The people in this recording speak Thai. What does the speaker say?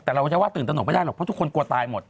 แต่เราจะว่าตื่นตนกไม่ได้หรอกเพราะทุกคนกลัวตายหมด